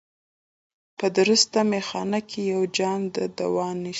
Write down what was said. په درسته مېخانه کي یو جام د دوا نسته